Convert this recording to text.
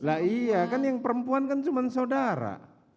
lah iya kan yang perempuan kan cuma saudara